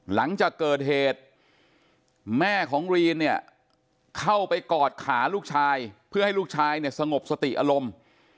หลังจากเกิดเหตุแม่ของรีนเนี่ยเข้าไปกอดขาลูกชายเพื่อให้ลูกชายเนี่ยสงบสติอารมณ์